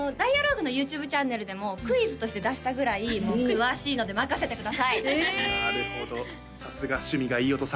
ＤＩＡＬＯＧＵＥ＋のＹｏｕＴｕｂｅチャンネルでもクイズとして出したぐらいもう詳しいので任せてください